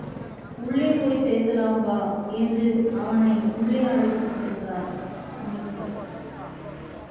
உள்ளே போய்ப் பேசலாம் வா என்று அவனை உள்ளே அழைத்துச் சென்றார் அமைச்சர்.